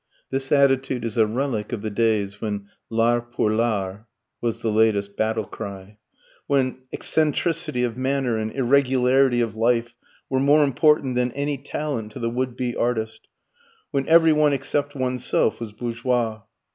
This attitude is a relic of the days when "l'art pour l'art" was the latest battle cry; when eccentricity of manner and irregularity of life were more important than any talent to the would be artist; when every one except oneself was bourgeois.